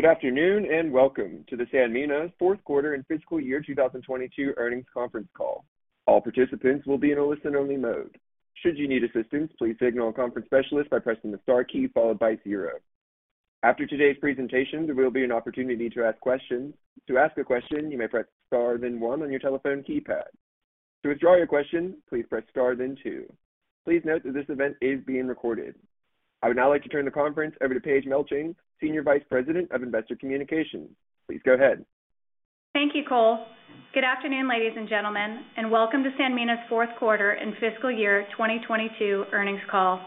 Good afternoon, and welcome to the Sanmina fourth quarter and fiscal year 2022 earnings conference call. All participants will be in a listen-only mode. Should you need assistance, please signal a conference specialist by pressing the star key followed by zero. After today's presentation, there will be an opportunity to ask questions. To ask a question, you may press star, then one on your telephone keypad. To withdraw your question, please press star, then two. Please note that this event is being recorded. I would now like to turn the conference over to Paige Melching, Senior Vice President of Investor Communications. Please go ahead. Thank you, Cole. Good afternoon, ladies and gentlemen, and welcome to Sanmina's fourth quarter and fiscal year 2022 earnings call.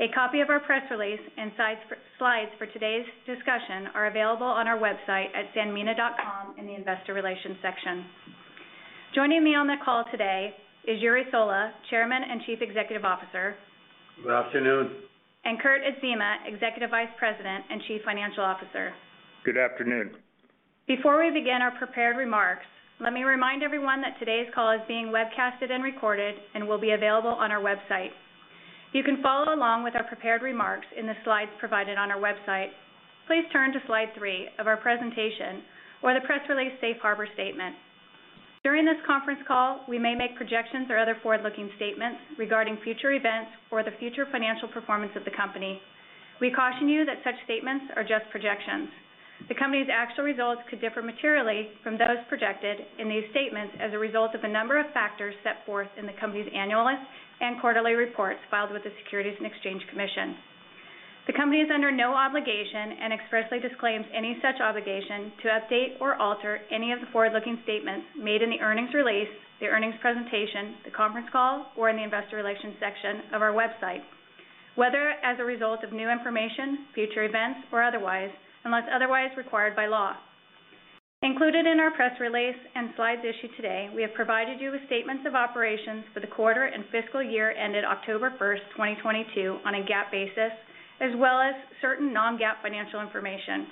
A copy of our press release and slides for today's discussion are available on our website at sanmina.com in the investor relations section. Joining me on the call today is Jure Sola, Chairman and Chief Executive Officer. Good afternoon. Kurt Adzema, Executive Vice President and Chief Financial Officer. Good afternoon. Before we begin our prepared remarks, let me remind everyone that today's call is being webcast and recorded and will be available on our website. You can follow along with our prepared remarks in the slides provided on our website. Please turn to slide three of our presentation or the press release safe harbor statement. During this conference call, we may make projections or other forward-looking statements regarding future events or the future financial performance of the company. We caution you that such statements are just projections. The company's actual results could differ materially from those projected in these statements as a result of a number of factors set forth in the company's annual and quarterly reports filed with the Securities and Exchange Commission. The company is under no obligation and expressly disclaims any such obligation to update or alter any of the forward-looking statements made in the earnings release, the earnings presentation, the conference call, or in the investor relations section of our website, whether as a result of new information, future events, or otherwise, unless otherwise required by law. Included in our press release and slides issued today, we have provided you with statements of operations for the quarter and fiscal year ended October 1st, 2022 on a GAAP basis, as well as certain non-GAAP financial information.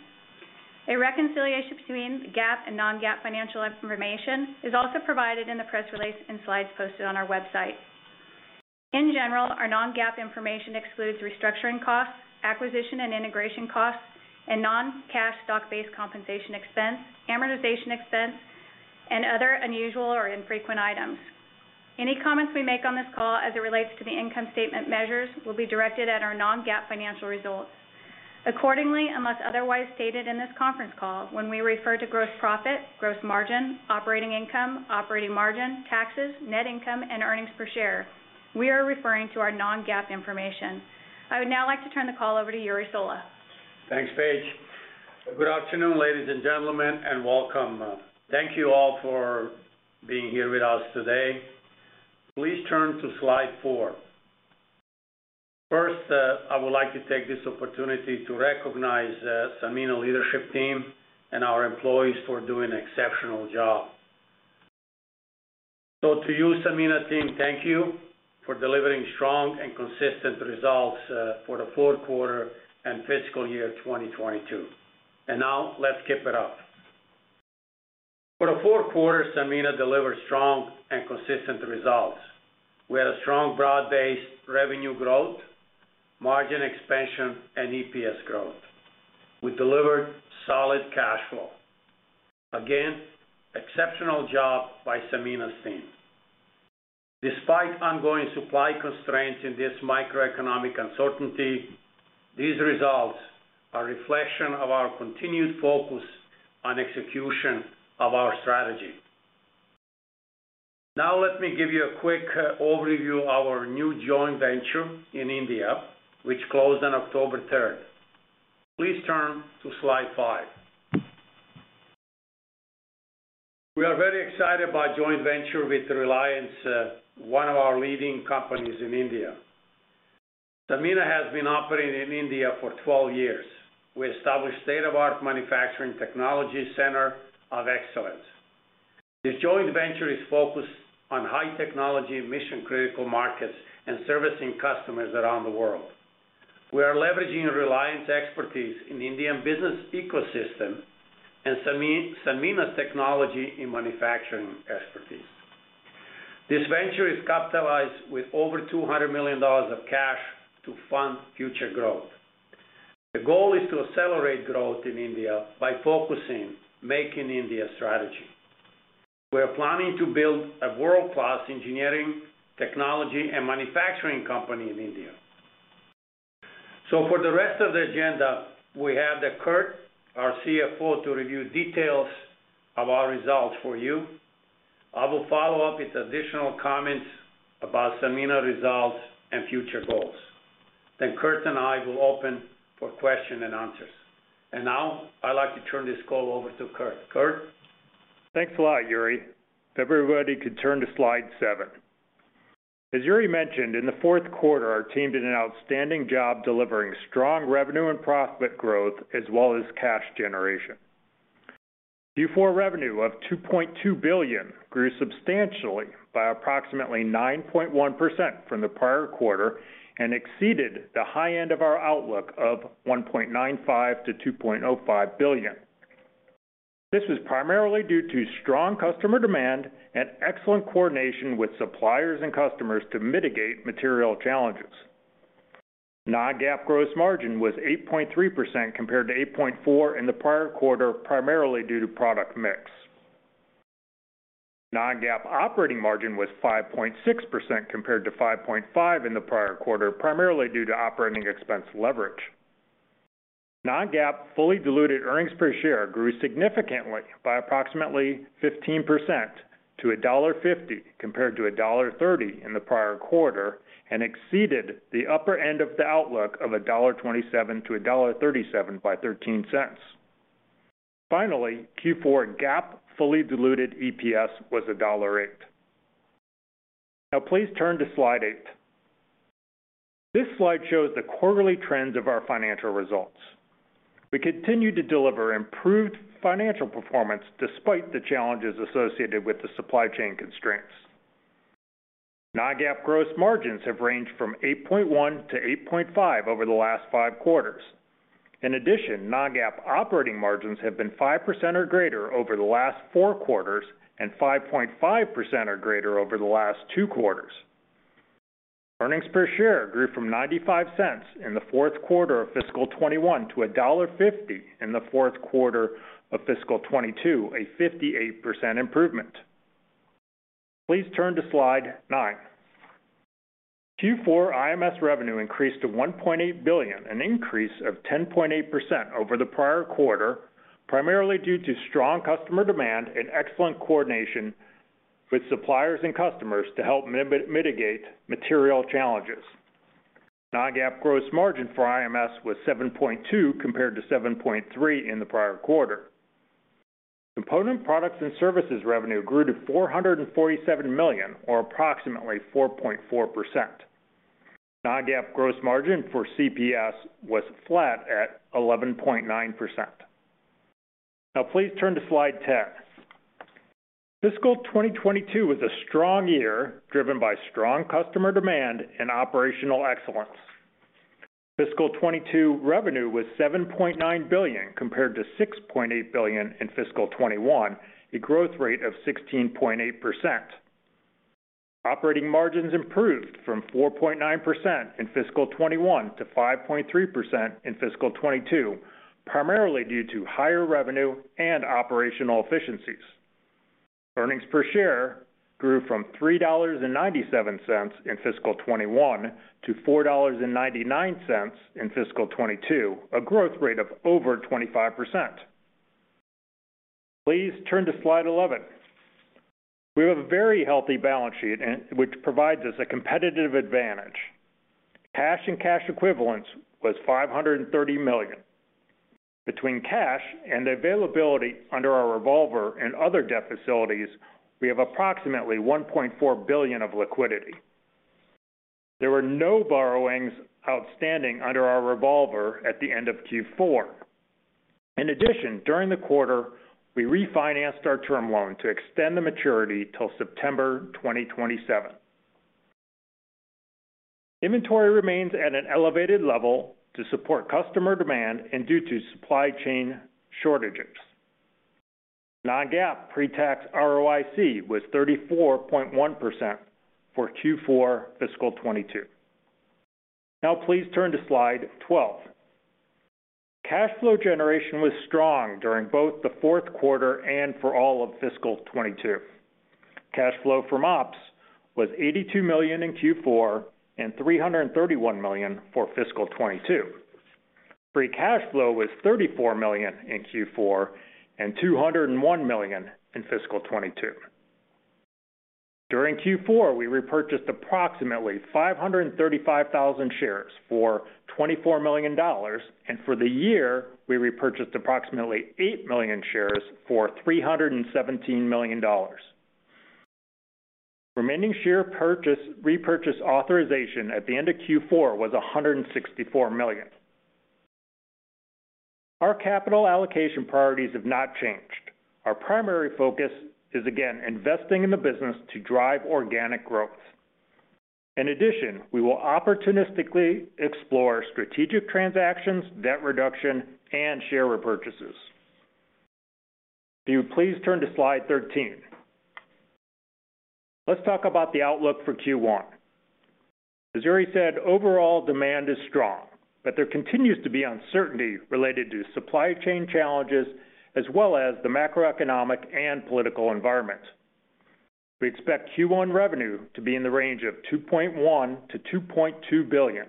A reconciliation between GAAP and non-GAAP financial information is also provided in the press release and slides posted on our website. In general, our non-GAAP information excludes restructuring costs, acquisition and integration costs, and non-cash stock-based compensation expense, amortization expense, and other unusual or infrequent items. Any comments we make on this call as it relates to the income statement measures will be directed at our non-GAAP financial results. Accordingly, unless otherwise stated in this conference call, when we refer to gross profit, gross margin, operating income, operating margin, taxes, net income, and earnings per share, we are referring to our non-GAAP information. I would now like to turn the call over to Jure Sola. Thanks, Paige. Good afternoon, ladies and gentlemen, and welcome. Thank you all for being here with us today. Please turn to slide four. First, I would like to take this opportunity to recognize Sanmina leadership team and our employees for doing an exceptional job. To you, Sanmina team, thank you for delivering strong and consistent results for the fourth quarter and fiscal year 2022. Now let's keep it up. For the fourth quarter, Sanmina delivered strong and consistent results. We had a strong broad-based revenue growth, margin expansion, and EPS growth. We delivered solid cash flow. Again, exceptional job by Sanmina team. Despite ongoing supply constraints in this macroeconomic uncertainty, these results are reflection of our continued focus on execution of our strategy. Now let me give you a quick overview of our new joint venture in India, which closed on October third. Please turn to slide five. We are very excited by joint venture with Reliance, one of our leading companies in India. Sanmina has been operating in India for 12 years. We established state-of-the-art manufacturing technology center of excellence. This joint venture is focused on high technology mission-critical markets and servicing customers around the world. We are leveraging Reliance expertise in Indian business ecosystem and Sanmina's technology in manufacturing expertise. This venture is capitalized with over $200 million of cash to fund future growth. The goal is to accelerate growth in India by focusing on Make in India strategy. We are planning to build a world-class engineering, technology, and manufacturing company in India. For the rest of the agenda, we have Kurt, our CFO, to review details of our results for you. I will follow up with additional comments about Sanmina results and future goals. Kurt and I will open for question and answers. Now I'd like to turn this call over to Kurt. Kurt. Thanks a lot, Jure. Everybody could turn to slide seven. As Jure mentioned, in the fourth quarter, our team did an outstanding job delivering strong revenue and profit growth, as well as cash generation. Q4 revenue of $2.2 billion grew substantially by approximately 9.1% from the prior quarter and exceeded the high end of our outlook of $1.95-$2.05 billion. This was primarily due to strong customer demand and excellent coordination with suppliers and customers to mitigate material challenges. non-GAAP gross margin was 8.3% compared to 8.4% in the prior quarter, primarily due to product mix. non-GAAP operating margin was 5.6% compared to 5.5% in the prior quarter, primarily due to operating expense leverage. Non-GAAP fully diluted earnings per share grew significantly by approximately 15% to $1.50 compared to $1.30 in the prior quarter, and exceeded the upper end of the outlook of $1.27-$1.37 by $0.13. Finally, Q4 GAAP fully diluted EPS was $1.08. Now please turn to slide eignt. This slide shows the quarterly trends of our financial results. We continue to deliver improved financial performance despite the challenges associated with the supply chain constraints. Non-GAAP gross margins have ranged from 8.1%-8.5% over the last five quarters. In addition, non-GAAP operating margins have been 5% or greater over the last four quarters and 5.5% or greater over the last two quarters. Earnings per share grew from $0.95 in the fourth quarter of fiscal 2021 to $1.50 in the fourth quarter of fiscal 2022, a 58% improvement. Please turn to slide nine. Q4 IMS revenue increased to $1.8 billion, an increase of 10.8% over the prior quarter, primarily due to strong customer demand and excellent coordination with suppliers and customers to help mitigate material challenges. Non-GAAP gross margin for IMS was 7.2% compared to 7.3% in the prior quarter. Components, Products and Services revenue grew to $447 million or approximately 4.4%. Non-GAAP gross margin for CPS was flat at 11.9%. Now please turn to slide 10. Fiscal 2022 was a strong year driven by strong customer demand and operational excellence. Fiscal 2022 revenue was $7.9 billion compared to $6.8 billion in fiscal 2021, a growth rate of 16.8%. Operating margins improved from 4.9% in fiscal 2021 to 5.3% in fiscal 2022, primarily due to higher revenue and operational efficiencies. Earnings per share grew from $3.97 in fiscal 2021 to $4.99 in fiscal 2022, a growth rate of over 25%. Please turn to slide 11. We have a very healthy balance sheet which provides us a competitive advantage. Cash and cash equivalents was $530 million. Between cash and availability under our revolver and other debt facilities, we have approximately $1.4 billion of liquidity. There were no borrowings outstanding under our revolver at the end of Q4. In addition, during the quarter, we refinanced our term loan to extend the maturity till September 2027. Inventory remains at an elevated level to support customer demand and due to supply chain shortages. Non-GAAP pre-tax ROIC was 34.1% for Q4 fiscal 2022. Now please turn to slide 12. Cash flow generation was strong during both the fourth quarter and for all of fiscal 2022. Cash flow from ops was $82 million in Q4 and $331 million for fiscal 2022. Free cash flow was $34 million in Q4 and $201 million for fiscal 2022. During Q4, we repurchased approximately 535,000 shares for $24 million, and for the year we repurchased approximately eight million shares for $317 million. Remaining share repurchase authorization at the end of Q4 was $164 million. Our capital allocation priorities have not changed. Our primary focus is again investing in the business to drive organic growth. In addition, we will opportunistically explore strategic transactions, debt reduction, and share repurchases. Will you please turn to slide 13. Let's talk about the outlook for Q1. As Jure said, overall demand is strong, but there continues to be uncertainty related to supply chain challenges as well as the macroeconomic and political environment. We expect Q1 revenue to be in the range of $2.1 billion-$2.2 billion.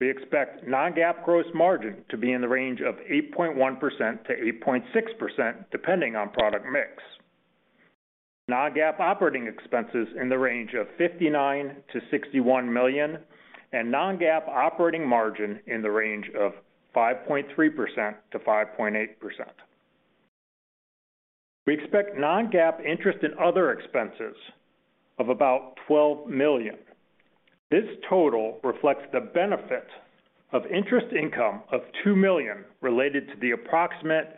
We expect non-GAAP gross margin to be in the range of 8.1%-8.6% depending on product mix. Non-GAAP operating expenses in the range of $59 million-$61 million, and non-GAAP operating margin in the range of 5.3%-5.8%. We expect non-GAAP interest and other expenses of about $12 million. This total reflects the benefit of interest income of $2 million related to the approximate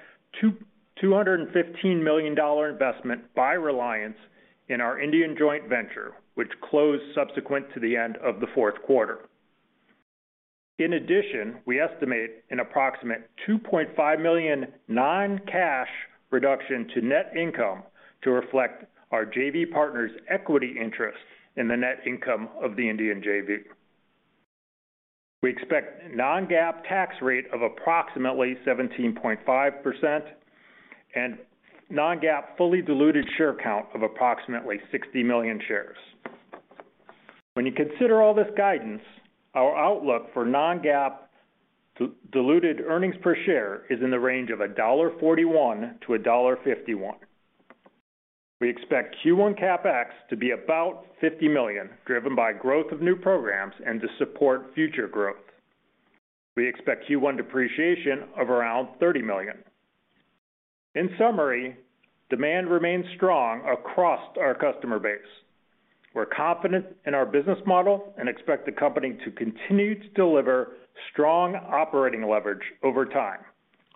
$215 million investment by Reliance in our Indian joint venture, which closed subsequent to the end of the fourth quarter. In addition, we estimate an approximate $2.5 million non-cash reduction to net income to reflect our JV partner's equity interest in the net income of the Indian JV. We expect non-GAAP tax rate of approximately 17.5% and non-GAAP fully diluted share count of approximately 60 million shares. When you consider all this guidance, our outlook for non-GAAP diluted earnings per share is in the range of $1.41-$1.51. We expect Q1 CapEx to be about $50 million, driven by growth of new programs and to support future growth. We expect Q1 depreciation of around $30 million. In summary, demand remains strong across our customer base. We're confident in our business model and expect the company to continue to deliver strong operating leverage over time.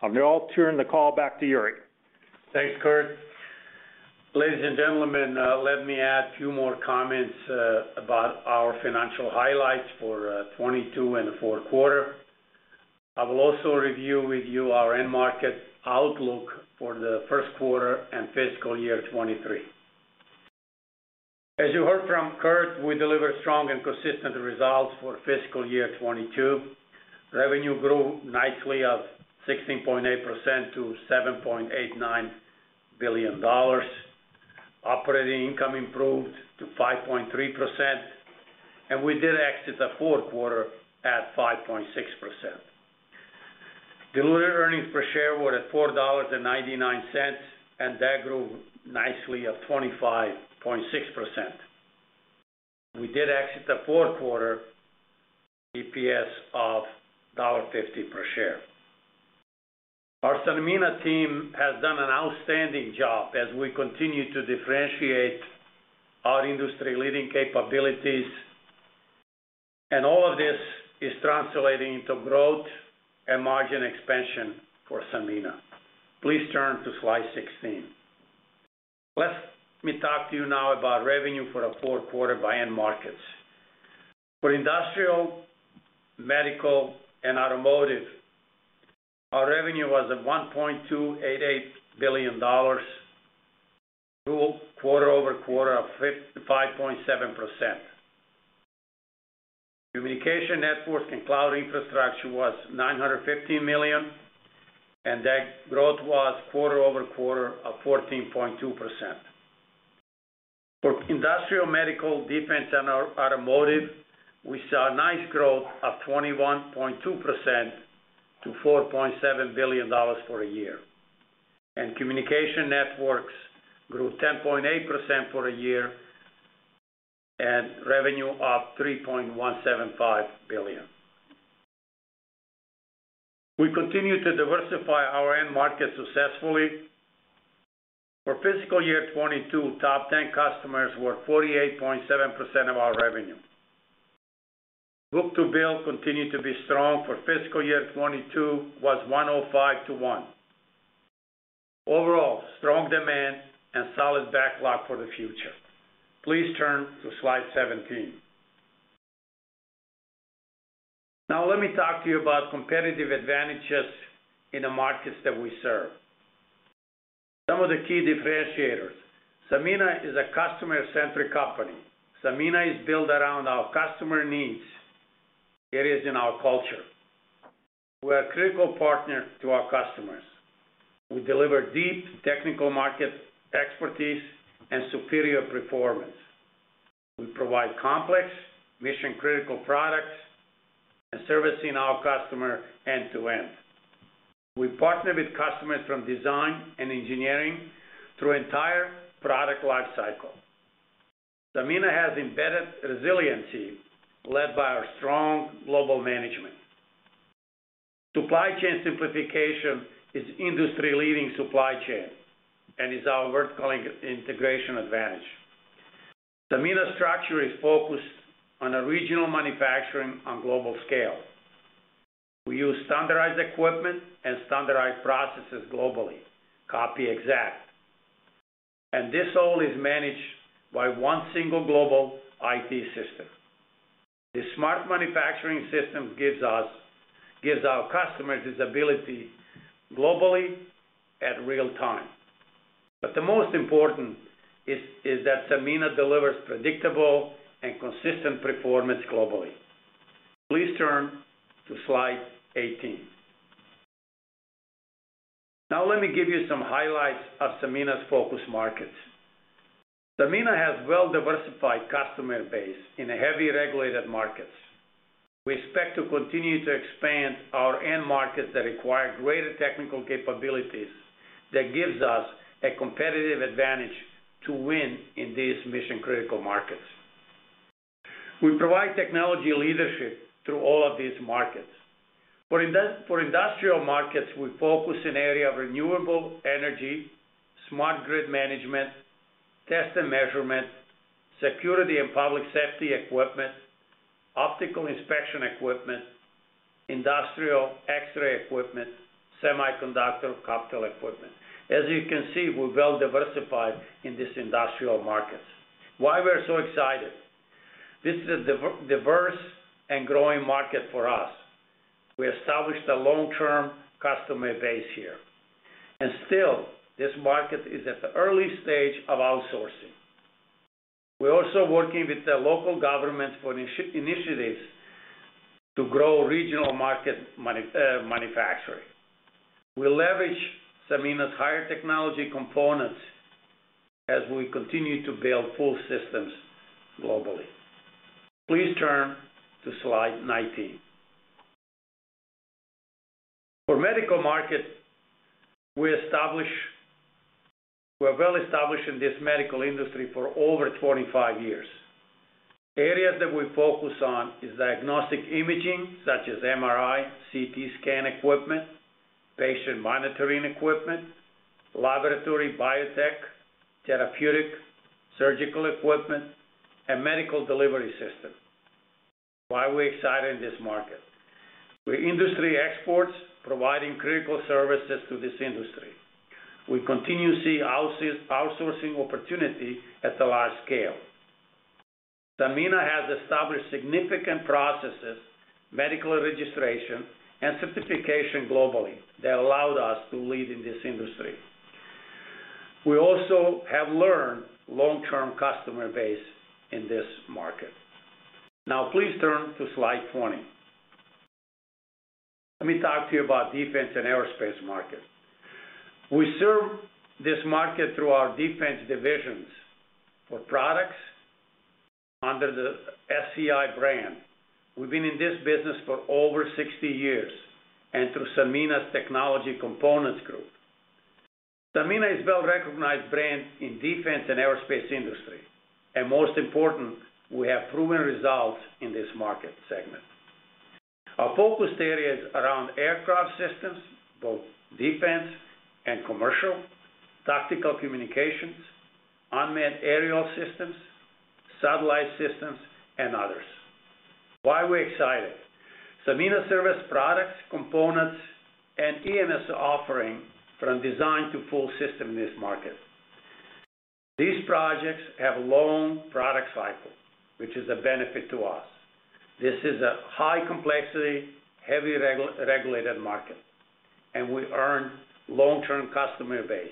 I'll now turn the call back to Jure Sola. Thanks, Kurt. Ladies and gentlemen, let me add a few more comments about our financial highlights for 2022 and the fourth quarter. I will also review with you our end market outlook for the first quarter and fiscal year 2023. As you heard from Kurt, we delivered strong and consistent results for fiscal year 2022. Revenue grew nicely of 16.8% to $7.89 billion. Operating income improved to 5.3%, and we did exit the fourth quarter at 5.6%. Diluted earnings per share were at $4.99, and that grew nicely of 25.6%. We did exit the fourth quarter EPS of $1.50 per share. Our Sanmina team has done an outstanding job as we continue to differentiate our industry-leading capabilities, and all of this is translating into growth and margin expansion for Sanmina. Please turn to slide 16. Let me talk to you now about revenue for the fourth quarter by end markets. For industrial, medical, and automotive, our revenue was at $1.288 billion, grew quarter-over-quarter 55.7%. Communication networks and cloud infrastructure was $950 million, and that growth was quarter-over-quarter 14.2%. For industrial, medical, defense, and automotive, we saw a nice growth of 21.2% to $4.7 billion for a year. Communication networks grew 10.8% for a year at revenue of $3.175 billion. We continue to diversify our end markets successfully. For fiscal year 2022, top ten customers were 48.7% of our revenue. Book-to-bill continued to be strong for fiscal year 2022, was 105/1. Overall, strong demand and solid backlog for the future. Please turn to slide 17. Now let me talk to you about competitive advantages in the markets that we serve. Some of the key differentiators. Sanmina is a customer-centric company. Sanmina is built around our customer needs. It is in our culture. We're a critical partner to our customers. We deliver deep technical market expertise and superior performance. We provide complex mission-critical products and servicing our customer end to end. We partner with customers from design and engineering through entire product lifecycle. Sanmina has embedded resiliency led by our strong global management. Supply chain simplification is industry-leading supply chain and is our vertical integration advantage. Sanmina structure is focused on a regional manufacturing on global scale. We use standardized equipment and standardized processes globally, copy exact. This all is managed by one single global IT system. The smart manufacturing system gives our customers this ability globally at real-time. The most important is that Sanmina delivers predictable and consistent performance globally. Please turn to slide 18. Now let me give you some highlights of Sanmina's focus markets. Sanmina has well-diversified customer base in highly regulated markets. We expect to continue to expand our end markets that require greater technical capabilities that gives us a competitive advantage to win in these mission-critical markets. We provide technology leadership through all of these markets. For industrial markets, we focus in area of renewable energy, smart grid management, test and measurement, security and public safety equipment, optical inspection equipment, industrial X-ray equipment, semiconductor capital equipment. As you can see, we're well diversified in this industrial markets. Why we're so excited. This is a diverse and growing market for us. We established a long-term customer base here, and still this market is at the early stage of outsourcing. We're also working with the local government for initiatives to grow regional market manufacturing. We leverage Sanmina's higher technology components as we continue to build full systems globally. Please turn to slide 19. For medical market, we're well established in this medical industry for over 25 years. Areas that we focus on is diagnostic imaging such as MRI, CT scan equipment, patient monitoring equipment, laboratory biotech, therapeutic, surgical equipment, and medical delivery system. Why we're excited in this market? We're industry experts providing critical services to this industry. We continue to see outsourcing opportunity at a large scale. Sanmina has established significant processes, medical registration, and certification globally that allowed us to lead in this industry. We also have a long-term customer base in this market. Now please turn to slide 20. Let me talk to you about defense and aerospace market. We serve this market through our defense divisions for products under the SCI brand. We've been in this business for over 60 years, and through Sanmina's technology components group. Sanmina is a well-recognized brand in defense and aerospace industry. Most important, we have proven results in this market segment. Our focus area is around aircraft systems, both defense and commercial, tactical communications, unmanned aerial systems, satellite systems, and others. Why we're excited? Sanmina services products, components, and EMS offering from design to full system in this market. These projects have long product cycle, which is a benefit to us. This is a high complexity, heavily regulated market, and we earn long-term customer base.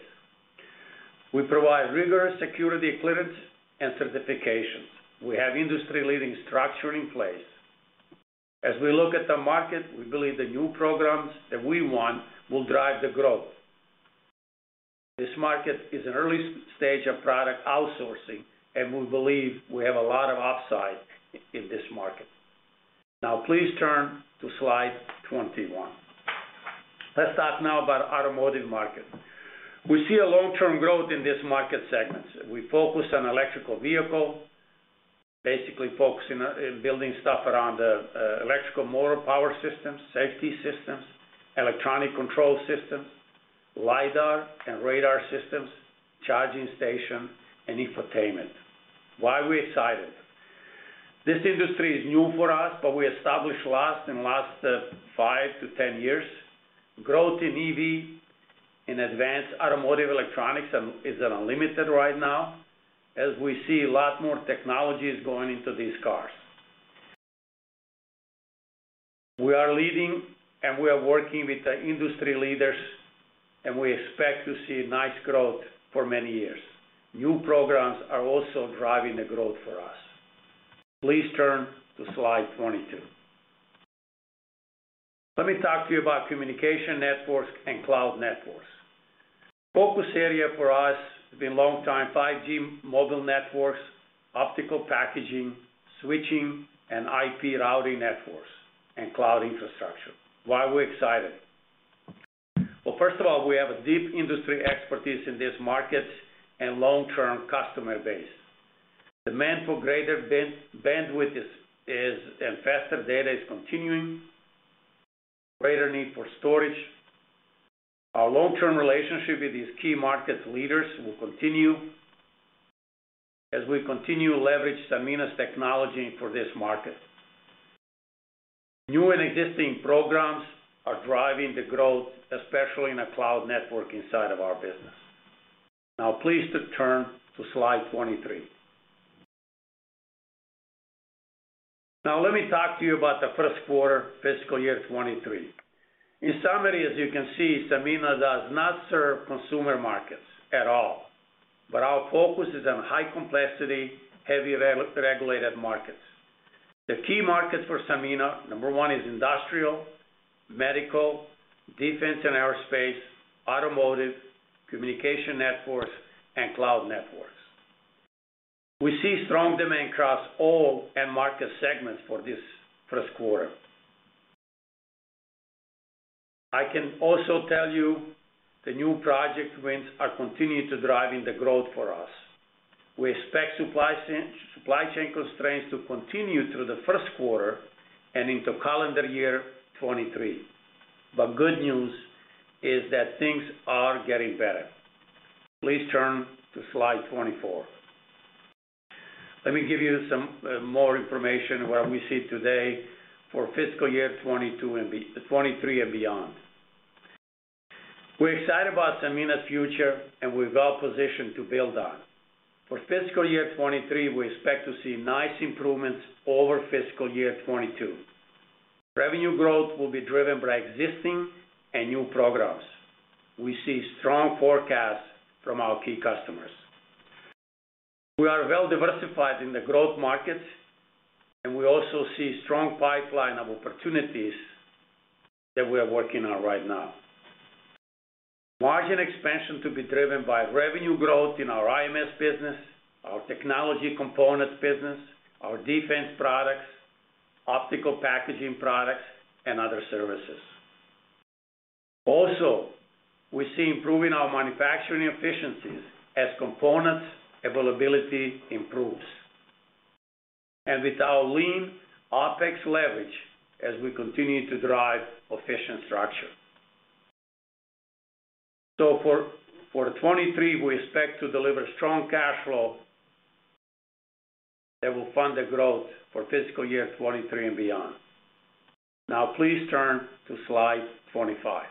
We provide rigorous security clearance and certifications. We have industry-leading structure in place. As we look at the market, we believe the new programs that we won will drive the growth. This market is an early stage of product outsourcing, and we believe we have a lot of upside in this market. Now please turn to slide 21. Let's talk now about automotive market. We see a long-term growth in this market segments. We focus on electric vehicle, basically focusing on building stuff around electric motor power systems, safety systems, electronic control systems, Lidar and Radar systems, charging station, and infotainment. Why we're excited? This industry is new for us, but we established in the last five to 10 years. Growth in EV, in advanced automotive electronics, is unlimited right now as we see a lot more technologies going into these cars. We are leading, and we are working with the industry leaders, and we expect to see nice growth for many years. New programs are also driving the growth for us. Please turn to slide 22. Let me talk to you about communication networks and cloud networks. Focus area for us has been long time, 5G mobile networks, optical packaging, switching, and IP routing networks, and cloud infrastructure. Why we're excited? Well, first of all, we have a deep industry expertise in these markets and long-term customer base. Demand for greater bandwidth and faster data is continuing. Greater need for storage. Our long-term relationship with these key markets leaders will continue as we continue to leverage Sanmina's technology for this market. New and existing programs are driving the growth, especially in the cloud networking side of our business. Now please turn to slide 23. Now let me talk to you about the first quarter fiscal year 2023. In summary, as you can see, Sanmina does not serve consumer markets at all, but our focus is on high complexity, heavy regulated markets. The key markets for Sanmina, number one is industrial, medical, defense and aerospace, automotive, communication networks, and cloud networks. We see strong demand across all end market segments for this first quarter. I can also tell you the new project wins are continuing to driving the growth for us. We expect supply chain constraints to continue through the first quarter and into calendar year 2023. Good news is that things are getting better. Please turn to slide 24. Let me give you some more information where we see today for fiscal year 2022 and 2023 and beyond. We're excited about Sanmina's future, and we're well-positioned to build on. For fiscal year 2023, we expect to see nice improvements over fiscal year 2022. Revenue growth will be driven by existing and new programs. We see strong forecasts from our key customers. We are well-diversified in the growth markets, and we also see strong pipeline of opportunities that we are working on right now. Margin expansion to be driven by revenue growth in our IMS business, our technology components business, our defense products, optical packaging products, and other services. Also, we see improving our manufacturing efficiencies as components availability improves, and with our lean OpEx leverage as we continue to drive efficient structure. For 2023, we expect to deliver strong cash flow that will fund the growth for fiscal year 2023 and beyond. Now please turn to slide 25.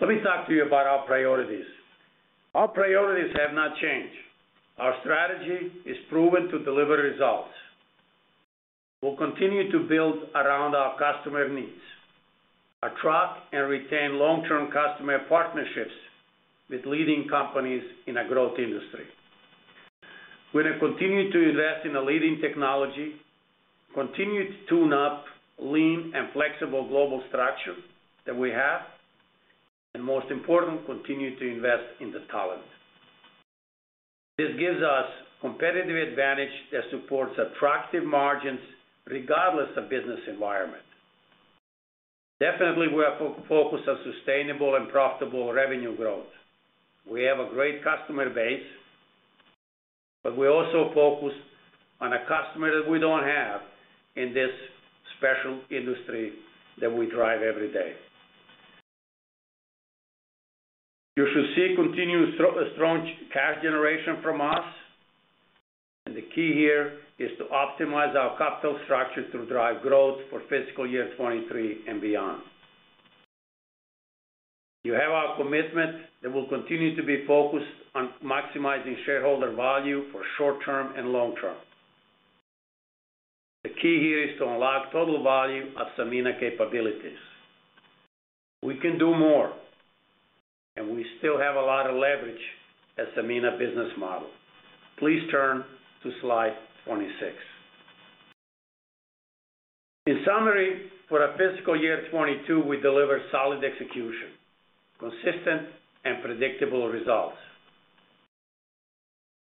Let me talk to you about our priorities. Our priorities have not changed. Our strategy is proven to deliver results. We'll continue to build around our customer needs, attract and retain long-term customer partnerships with leading companies in a growth industry. We're gonna continue to invest in a leading technology, continue to tune up lean and flexible global structure that we have, and most important, continue to invest in the talent. This gives us competitive advantage that supports attractive margins regardless of business environment. Definitely, we are focused on sustainable and profitable revenue growth. We have a great customer base, but we also focus on a customer that we don't have in this special industry that we drive every day. You should see continued strong cash generation from us, and the key here is to optimize our capital structure to drive growth for fiscal year 2023 and beyond. You have our commitment that we'll continue to be focused on maximizing shareholder value for short-term and long-term. The key here is to unlock total value of Sanmina capabilities. We can do more, and we still have a lot of leverage at Sanmina business model. Please turn to slide 26. In summary, for our fiscal year 2022, we delivered solid execution, consistent and predictable results.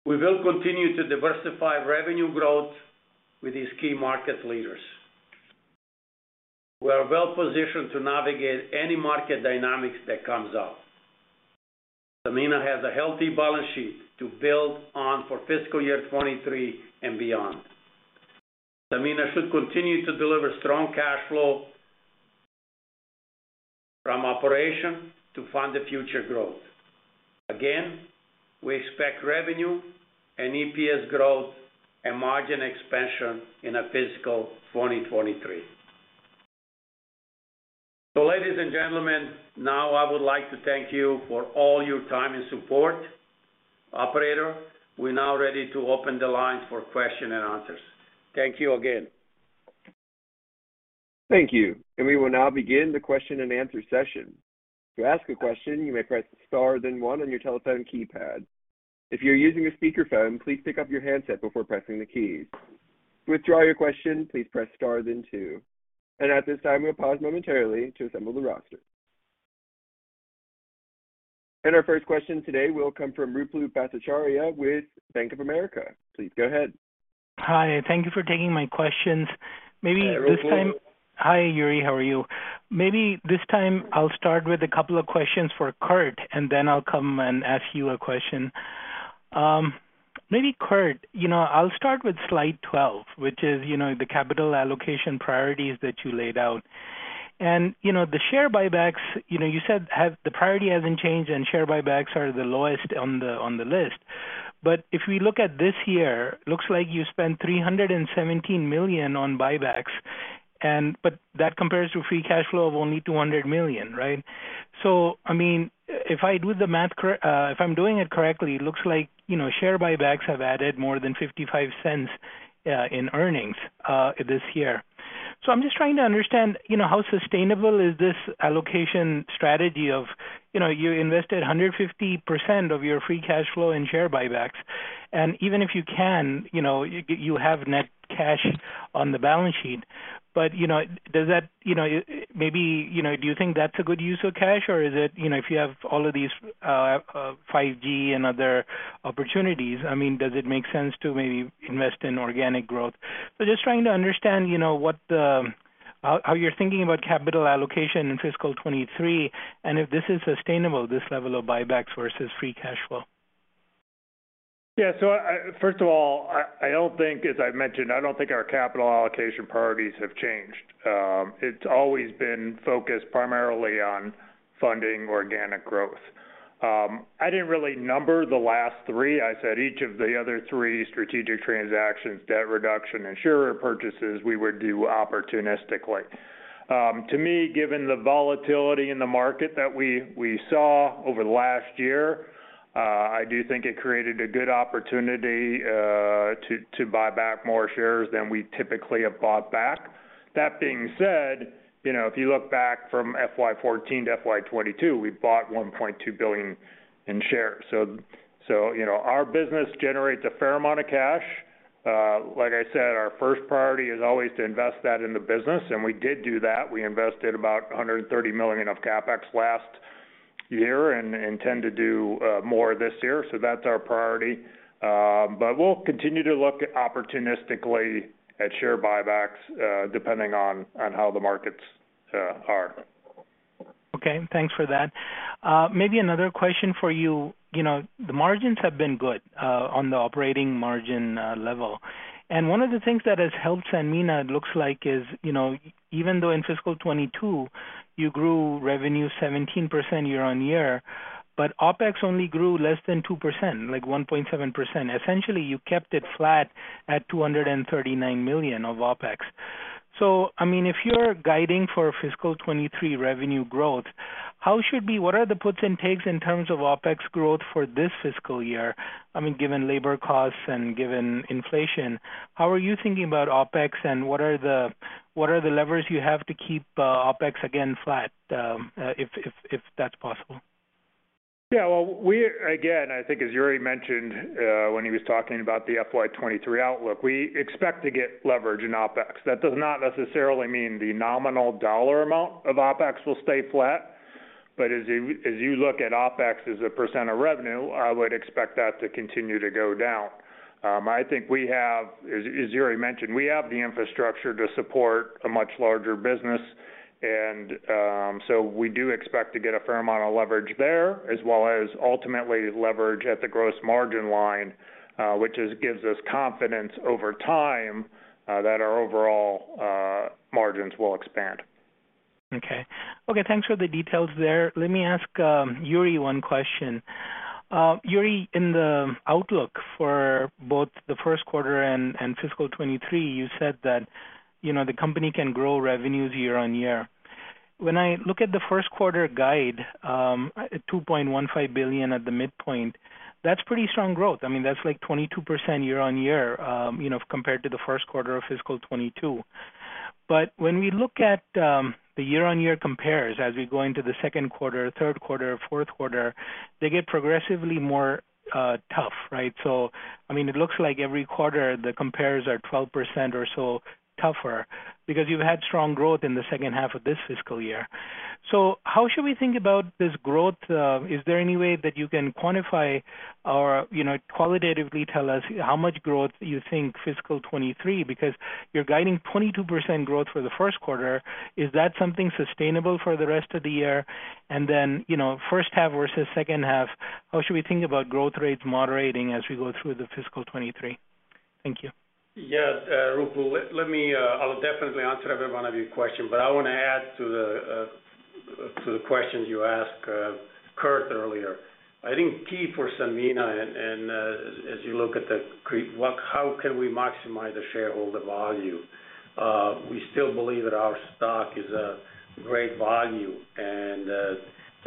We will continue to diversify revenue growth with these key market leaders. We are well-positioned to navigate any market dynamics that comes up. Sanmina has a healthy balance sheet to build on for fiscal year 2023 and beyond. Sanmina should continue to deliver strong cash flow from operation to fund the future growth. Again, we expect revenue and EPS growth and margin expansion in our fiscal 2023. Ladies and gentlemen, now I would like to thank you for all your time and support. Operator, we're now ready to open the lines for question and answers. Thank you again. Thank you. We will now begin the question-and-answer session. To ask a question, you may press star then one on your telephone keypad. If you're using a speakerphone, please pick up your handset before pressing the keys. To withdraw your question, please press star then two. At this time, we'll pause momentarily to assemble the roster. Our first question today will come from Ruplu Bhattacharya with Bank of America. Please go ahead. Hi. Thank you for taking my questions. Maybe this time. Hi, Ruplu. Hi, Jure. How are you? Maybe this time I'll start with a couple of questions for Kurt, and then I'll come and ask you a question. Maybe Kurt, you know, I'll start with slide 12, which is, you know, the capital allocation priorities that you laid out. You know, the share buybacks, you know, you said the priority hasn't changed, and share buybacks are the lowest on the list. If we look at this year, looks like you spent $317 million on buybacks and that compares to free cash flow of only $200 million, right? I mean, if I do the math, if I'm doing it correctly, it looks like, you know, share buybacks have added more than $0.55 in earnings this year. I'm just trying to understand, you know, how sustainable is this allocation strategy of, you know, you invested 150% of your free cash flow in share buybacks. Even if you can, you know, you have net cash on the balance sheet. Does that, you know, maybe, you know, do you think that's a good use of cash? Or is it, you know, if you have all of these 5G and other opportunities, I mean, does it make sense to maybe invest in organic growth? Just trying to understand, you know, how you're thinking about capital allocation in fiscal 2023, and if this is sustainable, this level of buybacks versus free cash flow. First of all, I don't think, as I've mentioned, I don't think our capital allocation priorities have changed. It's always been focused primarily on funding organic growth. I didn't really number the last three. I said each of the other three strategic transactions, debt reduction, insurer purchases, we would do opportunistically. To me, given the volatility in the market that we saw over the last year, I do think it created a good opportunity to buy back more shares than we typically have bought back. That being said, you know, if you look back from FY 2014 to FY 2022, we bought $1.2 billion in shares. So, you know, our business generates a fair amount of cash. Like I said, our first priority is always to invest that in the business, and we did do that. We invested about $130 million of CapEx last year and tend to do more this year, so that's our priority. We'll continue to look opportunistically at share buybacks, depending on how the markets are. Okay. Thanks for that. Maybe another question for you. You know, the margins have been good on the operating margin level. One of the things that has helped Sanmina looks like is, you know, even though in fiscal 2022 you grew revenue 17% year-on-year, but OpEx only grew less than 2%, like 1.7%. Essentially, you kept it flat at $239 million of OpEx. I mean, if you're guiding for fiscal 2023 revenue growth, what are the puts and takes in terms of OpEx growth for this fiscal year? I mean, given labor costs and given inflation, how are you thinking about OpEx, and what are the levers you have to keep OpEx again flat, if that's possible? Well, again, I think as Jure mentioned, when he was talking about the FY 2023 outlook, we expect to get leverage in OpEx. That does not necessarily mean the nominal dollar amount of OpEx will stay flat. As you look at OpEx as a % of revenue, I would expect that to continue to go down. I think we have, as Jure mentioned, we have the infrastructure to support a much larger business. We do expect to get a fair amount of leverage there, as well as ultimately leverage at the gross margin line, which gives us confidence over time that our overall margins will expand. Okay, thanks for the details there. Let me ask, Jure, one question. Jure, in the outlook for both the first quarter and fiscal 2023, you said that, you know, the company can grow revenues year-on-year. When I look at the first quarter guide, at $2.15 billion at the midpoint, that's pretty strong growth. I mean, that's like 22% year-on-year, you know, compared to the first quarter of fiscal 2022. But when we look at the year-on-year compares as we go into the second quarter, third quarter, fourth quarter, they get progressively more tough, right? I mean, it looks like every quarter the compares are 12% or so tougher because you've had strong growth in the second half of this fiscal year. How should we think about this growth? Is there any way that you can quantify or, you know, qualitatively tell us how much growth you think fiscal 2023, because you're guiding 22% growth for the first quarter. Is that something sustainable for the rest of the year? You know, first half versus second half, how should we think about growth rates moderating as we go through the fiscal 2023? Thank you. Yeah. Ruplu, let me—I'll definitely answer every one of your question, but I wanna add to the questions you asked Kurt earlier. I think key for Sanmina and as you look at how can we maximize the shareholder value? We still believe that our stock is a great value.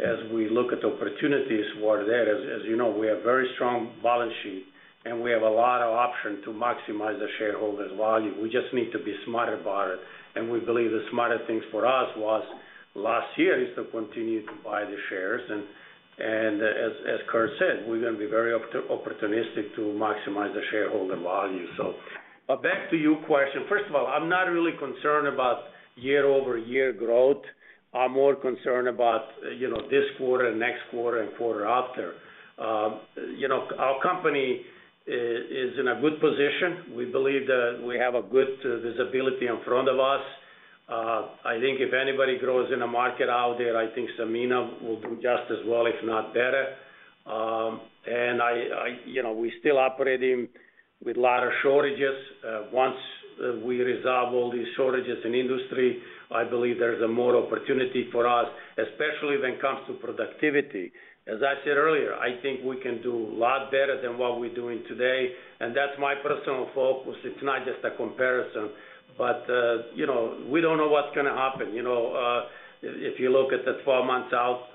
As we look at the opportunities, what are there? As you know, we have very strong balance sheet, and we have a lot of option to maximize the shareholders' value. We just need to be smarter about it. We believe the smarter things for us was last year is to continue to buy the shares. As Kurt said, we're gonna be very opportunistic to maximize the shareholder value. But back to your question. First of all, I'm not really concerned about year-over-year growth. I'm more concerned about this quarter, next quarter and quarter after. Our company is in a good position. We believe that we have a good visibility in front of us. I think if anybody grows in a market out there, I think Sanmina will do just as well, if not better. We're still operating with a lot of shortages. Once we resolve all these shortages in industry, I believe there's more opportunity for us, especially when it comes to productivity. As I said earlier, I think we can do a lot better than what we're doing today, and that's my personal focus. It's not just a comparison. We don't know what's gonna happen. You know, if you look at the four months out,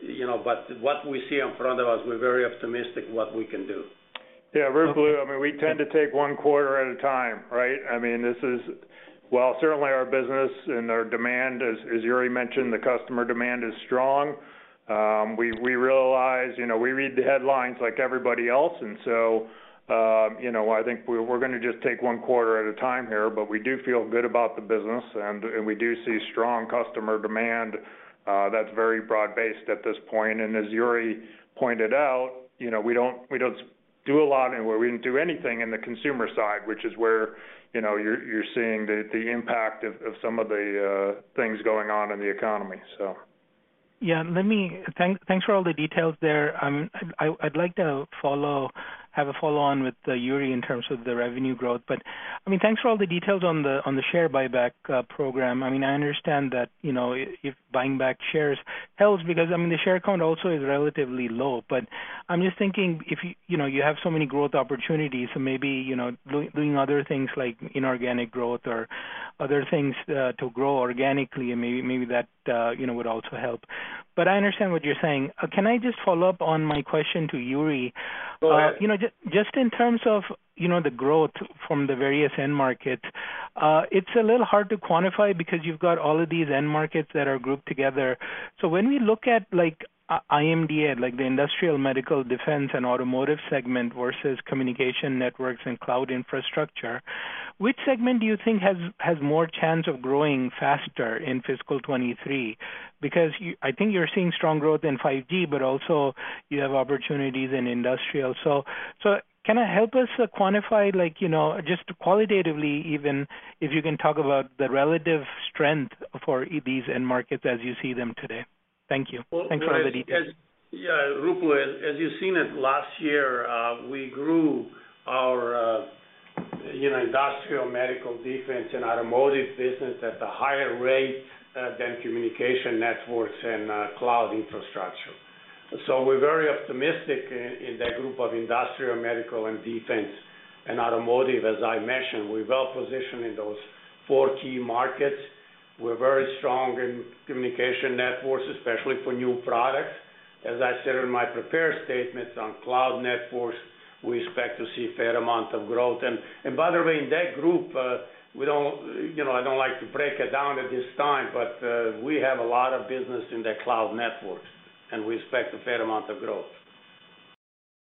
you know. What we see in front of us, we're very optimistic what we can do. Yeah. Ruplu, I mean, we tend to take one quarter at a time, right? I mean, this is certainly our business and our demand as Jure mentioned, the customer demand is strong. We realize, you know, we read the headlines like everybody else, and so you know, I think we're gonna just take one quarter at a time here. We do feel good about the business, and we do see strong customer demand that's very broad-based at this point. As Jure pointed out, you know, we don't do a lot anywhere. We didn't do anything in the consumer side, which is where, you know, you're seeing the impact of some of the things going on in the economy, so. Yeah, thanks for all the details there. I'd like to have a follow up with Jure Sola in terms of the revenue growth. I mean, thanks for all the details on the share buyback program. I mean, I understand that, you know, if buying back shares helps because, I mean, the share count also is relatively low. I'm just thinking if, you know, you have so many growth opportunities, so maybe, you know, doing other things like inorganic growth or other things to grow organically and maybe that, you know, would also help. I understand what you're saying. Can I just follow up on my question to Jure Sola? Go ahead. You know, just in terms of, you know, the growth from the various end markets, it's a little hard to quantify because you've got all of these end markets that are grouped together. When we look at, like, IMDA, like the industrial, medical, defense, and automotive segment versus communication networks and cloud infrastructure, which segment do you think has more chance of growing faster in fiscal 2023? Because I think you're seeing strong growth in 5G, but also you have opportunities in industrial. Can I help us quantify like, you know, just qualitatively even if you can talk about the relative strength for EMS's end markets as you see them today? Thank you. Well, Thanks for all the details. Yeah, Ruplu, as you've seen it last year, we grew our, you know, industrial, medical, defense, and automotive business at a higher rate than communication networks and cloud infrastructure. We're very optimistic in that group of industrial, medical, and defense and automotive. As I mentioned, we're well positioned in those four key markets. We're very strong in communication networks, especially for new products. As I said in my prepared statements on cloud networks, we expect to see a fair amount of growth. By the way, in that group, we don't, you know, I don't like to break it down at this time, but we have a lot of business in the cloud networks, and we expect a fair amount of growth.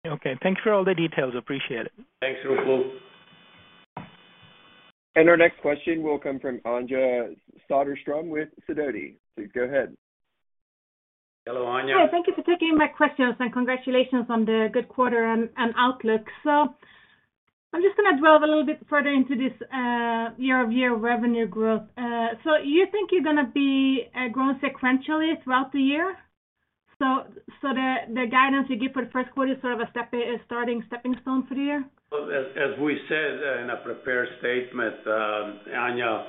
Okay, thanks for all the details. Appreciate it. Thanks, Ruplu. Our next question will come from Anja Soderstrom with Sidoti. Please go ahead. Hello, Anja. Yeah, thank you for taking my questions, and congratulations on the good quarter and outlook. I'm just gonna delve a little bit further into this year-over-year revenue growth. You think you're gonna be growing sequentially throughout the year? The guidance you give for the first quarter is sort of a stepping stone for the year? As we said in a prepared statement, Anja,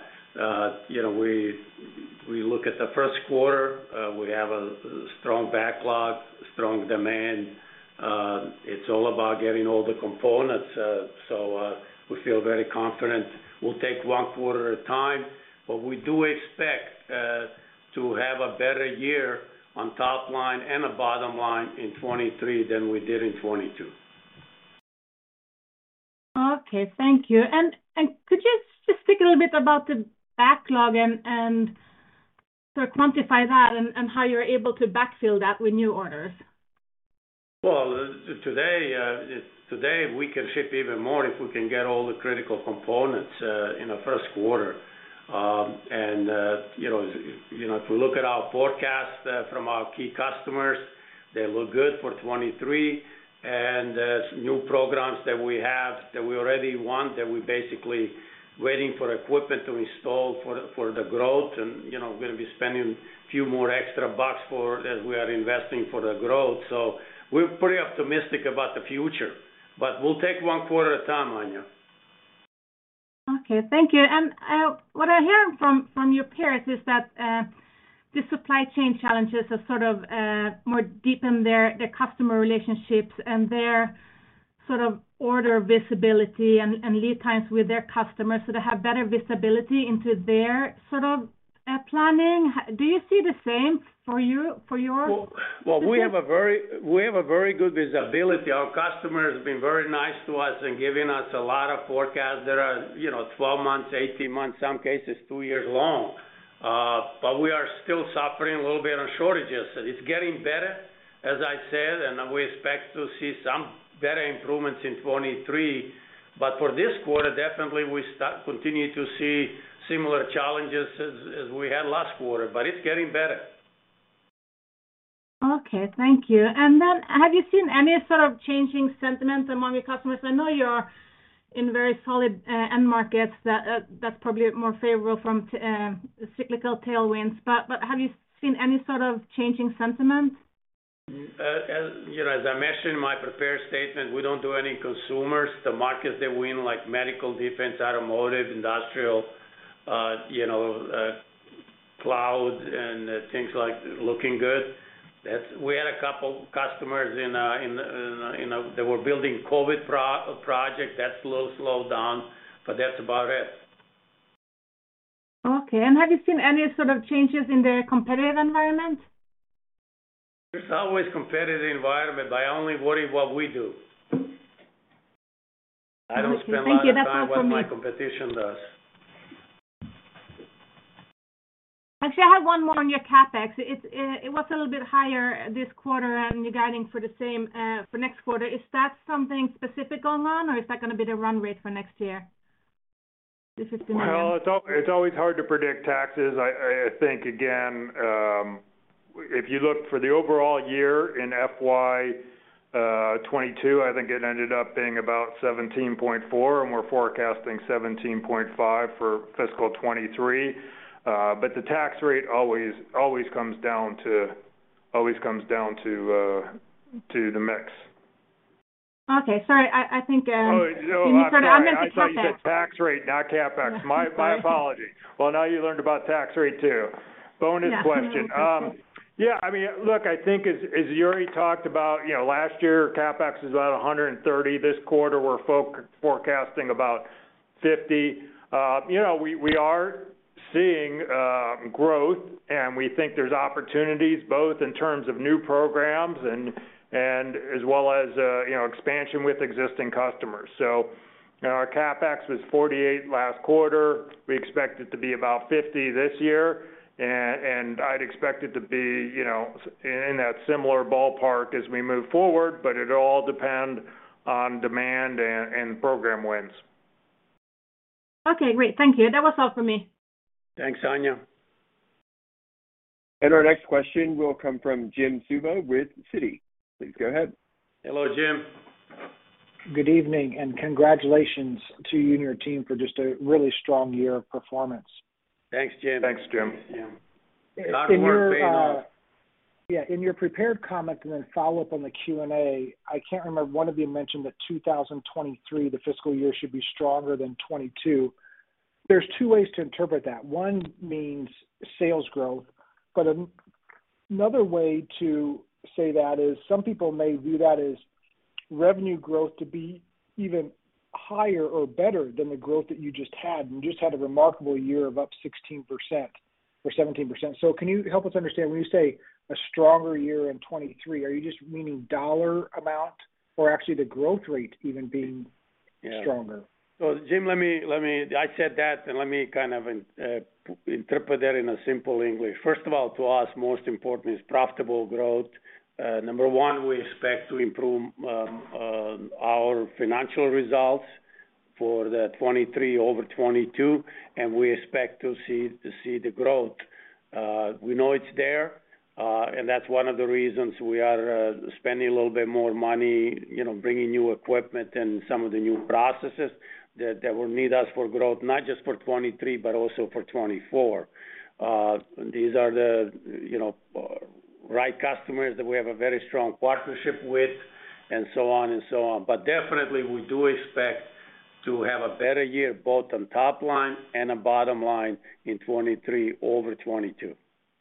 you know, we look at the first quarter. We have a strong backlog, strong demand. It's all about getting all the components, so we feel very confident. We'll take one quarter at a time, but we do expect to have a better year on top line and the bottom line in 2023 than we did in 2022. Okay, thank you. Could you just speak a little bit about the backlog and sort of quantify that and how you're able to backfill that with new orders? Well, today we can ship even more if we can get all the critical components in the first quarter. You know, if you look at our forecast from our key customers, they look good for 2023. There's new programs that we have that we already won that we're basically waiting for equipment to install for the growth. You know, we're gonna be spending few more extra bucks for as we are investing for the growth. We're pretty optimistic about the future, but we'll take one quarter at a time, Anja. Okay, thank you. What I hear from your peers is that the supply chain challenges are sort of more deep in their customer relationships and their sort of order visibility and lead times with their customers, so they have better visibility into their sort of planning. Do you see the same for you, yours? Well, we have a very good visibility. Our customers have been very nice to us in giving us a lot of forecasts that are, you know, 12 months, 18 months, some cases two years long. We are still suffering a little bit on shortages. It's getting better, as I said, and we expect to see some better improvements in 2023. For this quarter, definitely we continue to see similar challenges as we had last quarter, but it's getting better. Okay, thank you. Have you seen any sort of changing sentiment among your customers? I know you're in very solid end markets that's probably more favorable from cyclical tailwinds. Have you seen any sort of changing sentiment? As you know, as I mentioned in my prepared statement, we don't do any consumers. The markets that we're in, like medical, defense, automotive, industrial, cloud and things like looking good. We had a couple customers. They were building a COVID project that's a little slowed down, but that's about it. Okay. Have you seen any sort of changes in the competitive environment? There's always competitive environment, but I only worry what we do. Okay. Thank you. That's all for me. I don't spend a lot of time on what my competition does. Actually, I have one more on your CapEx. It was a little bit higher this quarter, and you're guiding for the same for next quarter. Is that something specific going on or is that gonna be the run rate for next year? Well, it's always hard to predict taxes. I think again, if you look for the overall year in FY 2022, I think it ended up being about 17.4%, and we're forecasting 17.5% for fiscal 2023. The tax rate always comes down to the mix. Okay. Sorry, I think. Oh, no, I'm sorry. I meant the CapEx. I thought you said tax rate, not CapEx. Yeah. Sorry. My apologies. Well, now you learned about tax rate too. Bonus question. Yeah. Yeah, I mean, look, I think as Jure talked about, you know, last year, CapEx was about $130. This quarter, we're forecasting about $50. You know, we are seeing growth, and we think there's opportunities both in terms of new programs and as well as, you know, expansion with existing customers. You know, our CapEx was $48 last quarter. We expect it to be about $50 this year. I'd expect it to be, you know, in that similar ballpark as we move forward, but it all depend on demand and program wins. Okay, great. Thank you. That was all for me. Thanks, Anja. Our next question will come from Jim Suva with Citi. Please go ahead. Hello, Jim. Good evening, and congratulations to you and your team for just a really strong year of performance. Thanks, Jim. Thanks, Jim. Our work ain't done. Yeah. In your prepared comment, and then follow up on the Q&A, I can't remember, one of you mentioned that 2023, the fiscal year should be stronger than 2022. There are two ways to interpret that. One means sales growth. Another way to say that is some people may view that as revenue growth to be even higher or better than the growth that you just had. You just had a remarkable year of up 16% or 17%. Can you help us understand, when you say a stronger year in 2023, are you just meaning dollar amount or actually the growth rate even being stronger? Jim, let me. I said that, and let me kind of interpret that in simple English. First of all, to us, most important is profitable growth. Number one, we expect to improve our financial results for 2023 over 2022, and we expect to see the growth. We know it's there, and that's one of the reasons we are spending a little bit more money, you know, bringing new equipment and some of the new processes that will need us for growth, not just for 2023, but also for 2024. These are the, you know, right customers that we have a very strong partnership with and so on. Definitely we do expect to have a better year, both on top line and on bottom line in 2023 over 2022.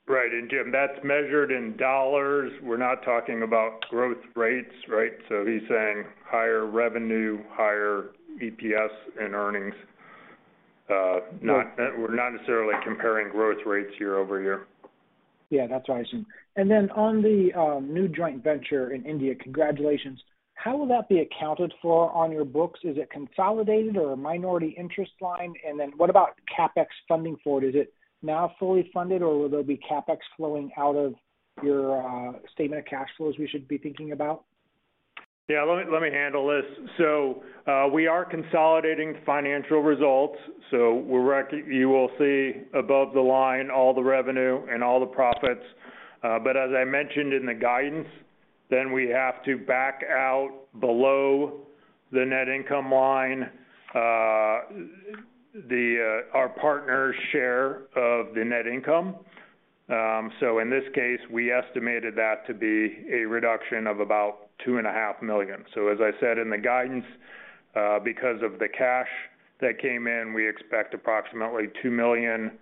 Right. Jim, that's measured in dollars. We're not talking about growth rates, right? He's saying higher revenue, higher EPS and earnings. We're not necessarily comparing growth rates year-over-year. Yeah, that's what I assumed. On the new joint venture in India, congratulations. How will that be accounted for on your books? Is it consolidated or a minority interest line? What about CapEx funding for it? Is it now fully funded, or will there be CapEx flowing out of your statement of cash flows we should be thinking about? Yeah. Let me handle this. We are consolidating financial results, so you will see above the line all the revenue and all the profits. As I mentioned in the guidance, we have to back out below the net income line our partner's share of the net income. In this case, we estimated that to be a reduction of about $2.5 million. As I said in the guidance, because of the cash that came in, we expect approximately $2 million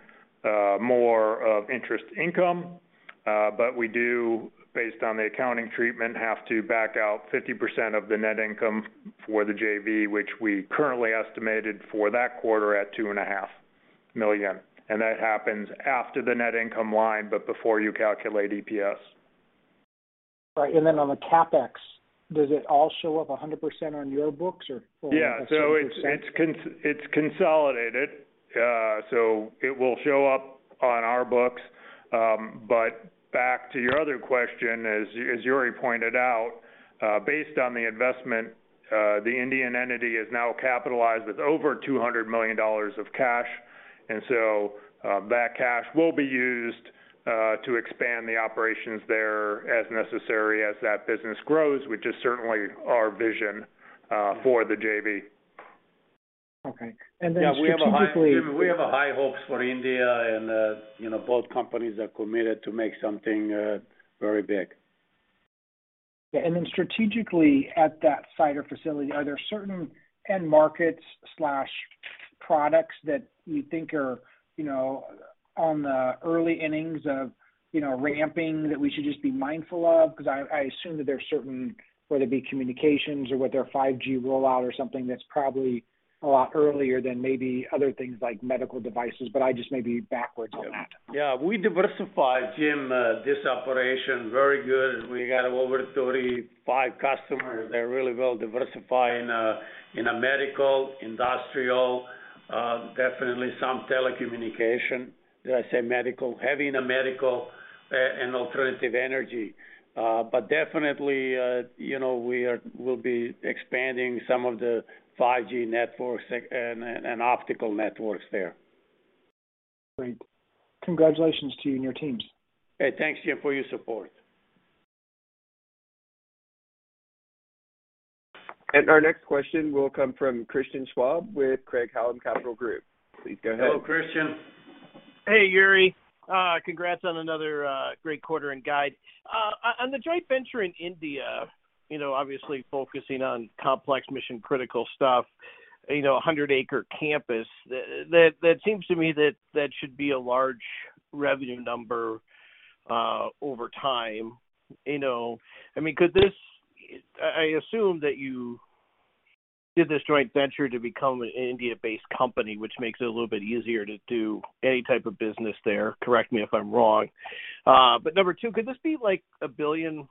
more in interest income. We do, based on the accounting treatment, have to back out 50% of the net income for the JV, which we currently estimated for that quarter at $2.5 million. That happens after the net income line, but before you calculate EPS. Right. On the CapEx, does it all show up 100% on your books or only a certain percent? Yeah. It's consolidated, so it will show up on our books. But back to your other question, as Jure pointed out, based on the investment, the Indian entity is now capitalized with over $200 million of cash. That cash will be used to expand the operations there as necessary as that business grows, which is certainly our vision for the JV. Okay. Strategically- Yeah. Jim, we have high hopes for India and, you know, both companies are committed to make something very big. Yeah. Strategically at that site or facility, are there certain end markets/products that you think are, you know, on the early innings of, you know, ramping that we should just be mindful of? Because I assume that there are certain, whether it be communications or whether 5G rollout or something that's probably a lot earlier than maybe other things like medical devices, but I just may be backwards on that. Yeah. We diversify, Jim, this operation very good. We got over 35 customers. They're really well diversified in medical, industrial, definitely some telecommunication. Did I say medical? Heavy in medical, and alternative energy. Definitely, you know, we'll be expanding some of the 5G networks and optical networks there. Great. Congratulations to you and your teams. Hey, thanks, Jim, for your support. Our next question will come from Christian Schwab with Craig-Hallum Capital Group. Please go ahead. Hello, Christian. Hey, Jure. Congrats on another great quarter and guide. On the joint venture in India, you know, obviously focusing on complex mission-critical stuff, you know, a 100-acre campus. That seems to me that that should be a large revenue number over time, you know. I mean, I assume that you did this joint venture to become an India-based company, which makes it a little bit easier to do any type of business there. Correct me if I'm wrong. But number two, could this be like a $1 billion+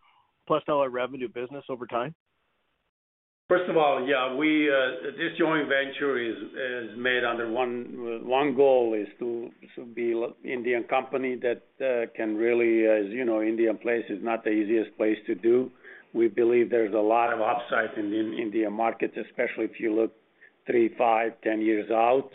revenue business over time? First of all, yeah, this joint venture is made under one goal to be Indian company that can really, as you know, India is not the easiest place to do. We believe there's a lot of upside in Indian markets, especially if you look three, five, 10 years out.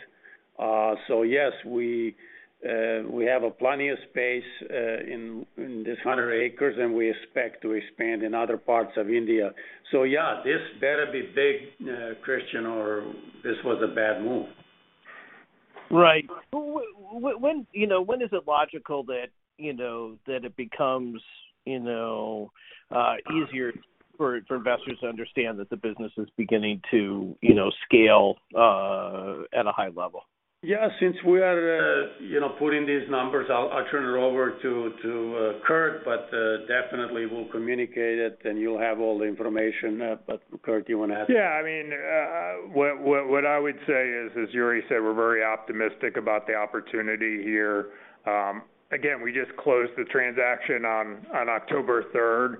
Yes, we have plenty of space in this 100 acres, and we expect to expand in other parts of India. Yeah, this better be big, Christian, or this was a bad move. Right. When is it logical that, you know, that it becomes, you know, easier for investors to understand that the business is beginning to, you know, scale at a high level? Yeah, since we are, you know, putting these numbers, I'll turn it over to Kurt, but definitely we'll communicate it, and you'll have all the information. But Kurt, do you wanna add? Yeah, I mean, what I would say is, as Jure said, we're very optimistic about the opportunity here. Again, we just closed the transaction on October 3rd.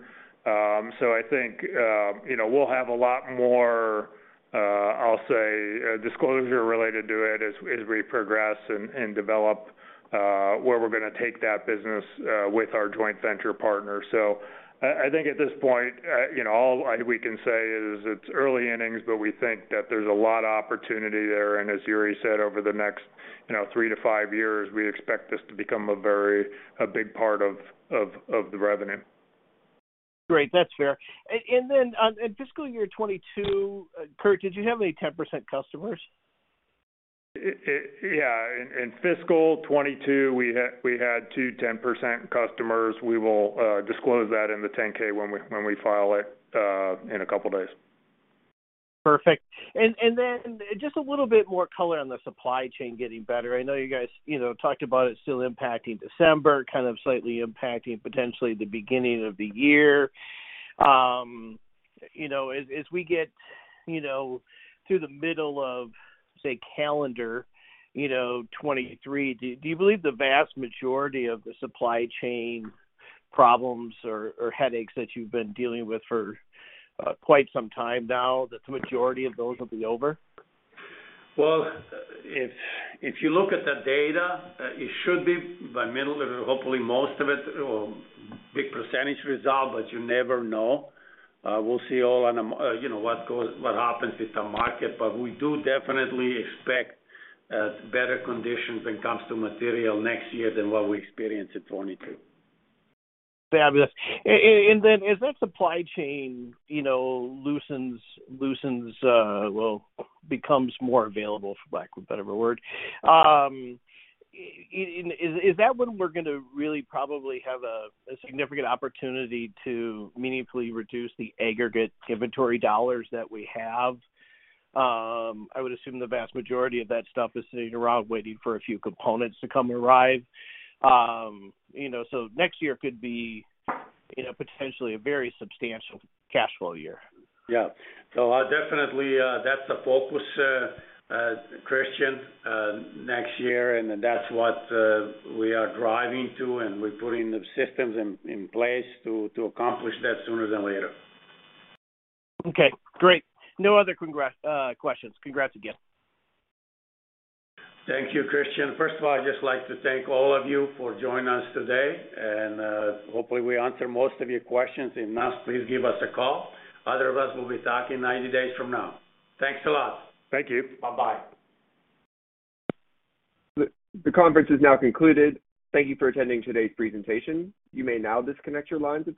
So I think you know, we'll have a lot more, I'll say, disclosure related to it as we progress and develop where we're gonna take that business with our joint venture partner. So I think at this point you know, all we can say is it's early innings, but we think that there's a lot of opportunity there. As Jure said, over the next you know, three to five years, we expect this to become a big part of the revenue. Great. That's fair. On, in fiscal year 2022, Kurt, did you have any 10% customers? In fiscal 2022, we had two 10% customers. We will disclose that in the 10-K when we file it in a couple days. Perfect. Just a little bit more color on the supply chain getting better. I know you guys, you know, talked about it still impacting December, kind of slightly impacting potentially the beginning of the year. You know, as we get, you know, through the middle of, say, calendar 2023, do you believe the vast majority of the supply chain problems or headaches that you've been dealing with for quite some time now, that the majority of those will be over? Well, if you look at the data, it should be by middle of the hopefully most of it or big percentage result, but you never know. We'll see, you know, what goes, what happens with the market. We do definitely expect better conditions when it comes to material next year than what we experienced in 2022. Fabulous. Then as that supply chain, you know, loosens, well, becomes more available for lack of a better word, is that when we're gonna really probably have a significant opportunity to meaningfully reduce the aggregate inventory dollars that we have? I would assume the vast majority of that stuff is sitting around waiting for a few components to come arrive. You know, next year could be, you know, potentially a very substantial cash flow year. Yeah. Definitely, that's a focus, Christian, next year, and that's what we are driving to, and we're putting the systems in place to accomplish that sooner than later. Okay, great. No other questions. Congrats again. Thank you, Christian. First of all, I'd just like to thank all of you for joining us today, and hopefully, we answered most of your questions. If not, please give us a call. Otherwise, we'll be talking 90 days from now. Thanks a lot. Thank you. Bye-bye. The conference is now concluded. Thank you for attending today's presentation. You may now disconnect your lines at this time.